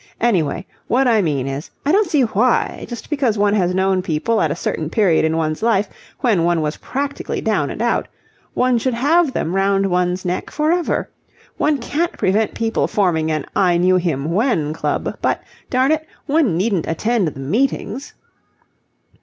"Anyway, what I mean is, I don't see why, just because one has known people at a certain period in one's life when one was practically down and out, one should have them round one's neck for ever. One can't prevent people forming an I knew him when club, but, darn it, one needn't attend the meetings."